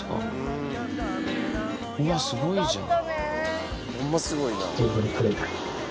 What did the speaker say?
うわすごいじゃん。